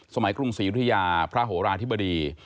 สมัยกรุงศรีฤทยาพระโหราธิบดี